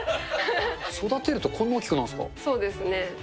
育てると、こんな大きくなるんでそうですね。